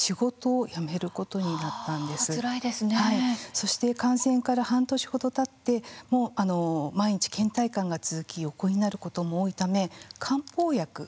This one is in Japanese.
そして感染から半年ほどたって毎日けん怠感が続き横になることも多いため漢方薬が処方されました。